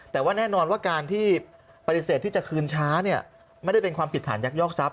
แต่ว่าแน่นอนว่าการที่ปฏิเสธที่จะคืนช้าเนี่ยไม่ได้เป็นความผิดฐานยักยอกทรัพย